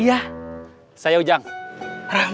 area yang radio